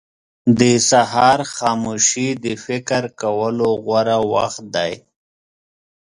• د سهار خاموشي د فکر کولو غوره وخت دی.